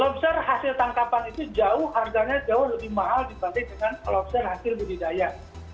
lobster hasil tangkapan itu jauh harganya jauh lebih mahal dibanding dengan lobster hasil budidaya